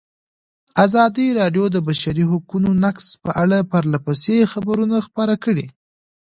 ازادي راډیو د د بشري حقونو نقض په اړه پرله پسې خبرونه خپاره کړي.